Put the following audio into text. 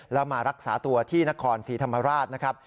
แล้วมารักษาตัวที่นครศรีธรรมราชนะครับ